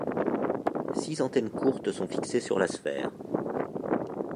Six antennes courtes sont fixées sur la sphère.